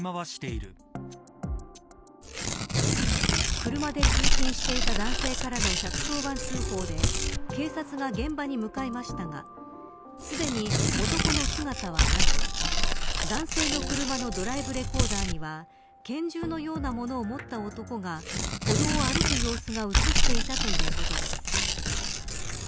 車で通勤していた男性からの１１０番通報で警察が現場に向かいましたがすでに男の姿はなく男性の車のドライブレコーダーには拳銃のようなものを持った男が歩道を歩く様子が映っていたということです。